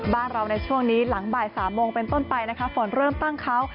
บ้านเราในช่วงนี้หลังบ่าย๓โมงเป็นต้นไปนะคะฝนเริ่มตั้งเขา